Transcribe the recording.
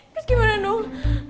terus gimana dong